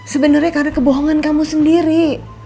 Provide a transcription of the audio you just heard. sebenarnya karena kebohongan kamu sendiri